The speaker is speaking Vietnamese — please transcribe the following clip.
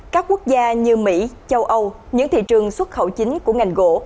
các quốc gia như mỹ châu âu những thị trường xuất khẩu chính của ngành gỗ